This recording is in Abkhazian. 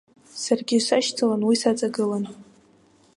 Саргьы сашьцылан, уи саҵагылан.